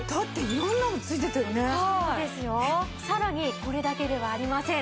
さらにこれだけではありません。